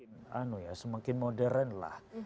memang modusnya semakin modern lah